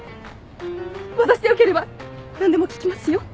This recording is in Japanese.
私でよければ何でも聞きますよ。